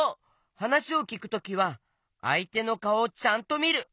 はなしをきくときはあいてのかおをちゃんとみる。